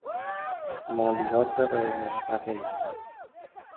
مالیات غیرمستقیم